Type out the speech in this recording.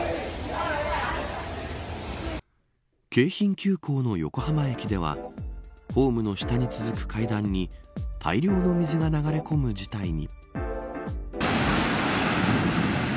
京浜急行の横浜駅ではホームの下に続く階段に大量の水が流れ込む事態に。